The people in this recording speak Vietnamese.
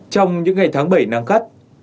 trong những ngày tháng bảy nắng khắt